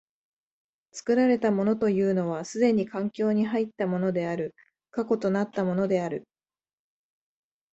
作られたものというのは既に環境に入ったものである、過去となったものである。